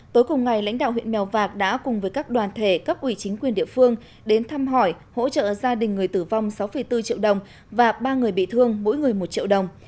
tối cùng ngày lãnh đạo huyện mèo vạc đã cùng với các đoàn thể cấp ủy chính quyền địa phương đến thăm hỏi hỗ trợ gia đình người tử vong sáu bốn triệu đồng và ba người bị thương mỗi người một triệu đồng